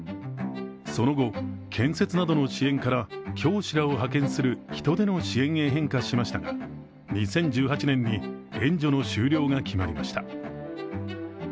その後、検察などの支援から教師らを派遣する人での支援へ変化しましたが２０１８年に援助の終了が決まりました。